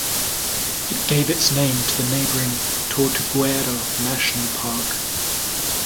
It gave its name to the neighboring Tortuguero National Park.